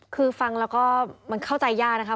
คือฟังแล้วก็มันเข้าใจยากนะคะ